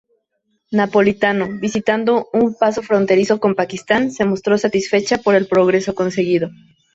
Napolitano visitando un paso fronterizo con Pakistán se mostró satisfecha por el progreso conseguido.